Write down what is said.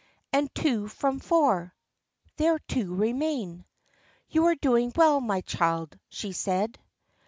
And two from four?" "There two remain." "You are doing well, my child," she said.